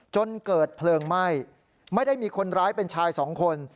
จนเกิดเพลิงไหม้ไม่ได้มีคนร้ายเป็นชายสองคน